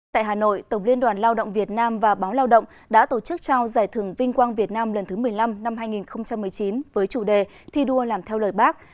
tại hà nội tổng liên đoàn lao động việt nam và báo lao động đã tổ chức trao giải thưởng vinh quang việt nam lần thứ một mươi năm năm hai nghìn một mươi chín với chủ đề thi đua làm theo lời bác